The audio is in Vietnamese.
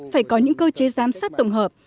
phải có những cơ chế giám sát tổng hợp